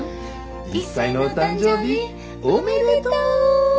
１歳のお誕生日おめでとう！